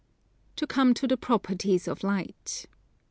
To come to the properties of Light.